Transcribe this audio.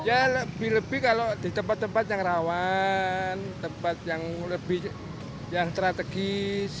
ya lebih lebih kalau di tempat tempat yang rawan tempat yang lebih yang strategis